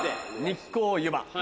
日光ゆば。